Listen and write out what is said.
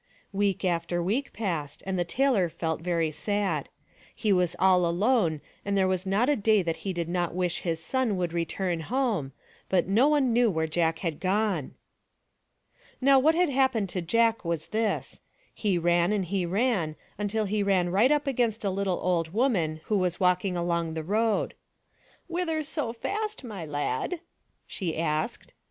Week after week passed, and the tailor felt very sad. He was all alone and there was not a day that he did not wish his son would return home, but no one knew where Jack had gone. Now what had happened to Jack was this — he ran and he ran until he ran right up against a little old woman who was walking along the road. " Whither so fast, my lad ?" she asked.